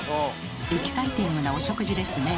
エキサイティングなお食事ですね。